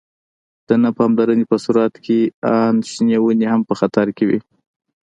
د نه پاملرنې په صورت کې آن شنې ونې هم په خطر کې وي.